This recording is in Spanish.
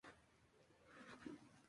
Una vida por y para la moto".